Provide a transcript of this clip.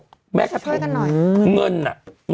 เผื่อขอบคุณช่วยกันหน่อย